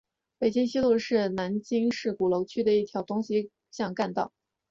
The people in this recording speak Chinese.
北京西路是南京市鼓楼区的一条东西向干道。